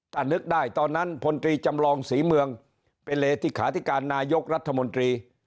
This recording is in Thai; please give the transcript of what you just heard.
ถ้านึกได้ตอนนั้นพลตรีจำลองศรีเมืองเป็นเลขาธิการนายกรัฐมนตรี